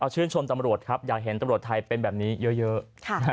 ชื่นชมตำรวจครับอยากเห็นตำรวจไทยเป็นแบบนี้เยอะ